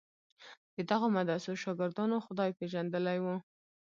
د دغو مدرسو شاګردانو خدای پېژندلی و.